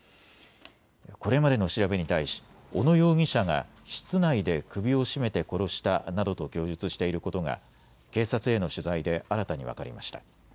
これまでの調べに対し小野容疑者が室内で首を絞めて殺したなどと供述していることが警察への取材で新たに分かりました。